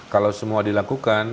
kalau semua dilakukan